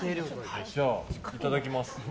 じゃあ、いただきます。